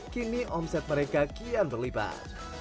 kini omset mereka kian berlipat